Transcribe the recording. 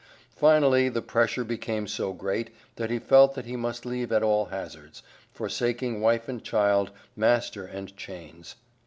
Finally the pressure became so great that he felt that he must leave at all hazards, forsaking wife and child, master and chains.